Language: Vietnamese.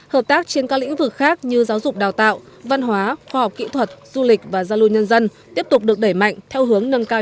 hợp tác trên các lĩnh vực khác như giáo dục đào tạo văn hóa khoa học kỹ thuật du lịch và giao lưu nhân dân tiếp tục được đẩy mạnh theo hướng nâng cao